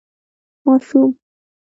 ماشومان